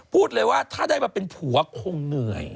พูดเลยว่าถ้าได้มาเป็นผัวคงเหนื่อย